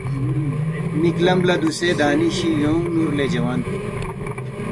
مک لم لا دوسے دانشی یونگ نور لے جوان کن